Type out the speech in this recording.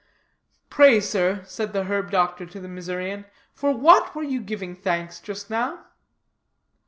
"Pray, sir," said the herb doctor to the Missourian, "for what were you giving thanks just now?"